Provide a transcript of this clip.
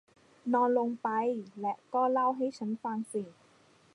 นอนลงไป และก็เล่าให้ฉันฟังสิ